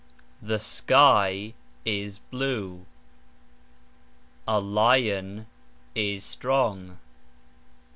The sky is blue. A lion is strong.